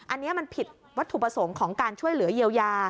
อันนี้มันผิดวัตถุประสงค์ของการช่วยเหลือเยียวยา